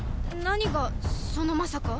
何が「そのまさか」？